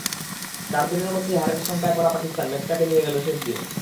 চার দিনের মধ্যেই হারের শঙ্কায় পড়া পাকিস্তান ম্যাচটাকে নিয়ে গেল শেষ দিনে।